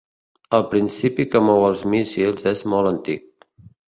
El principi que mou els míssils és molt antic.